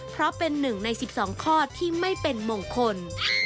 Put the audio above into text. เพราะเป็นหนึ่งใน๑๒ข้อที่ไม่เป็นมงคล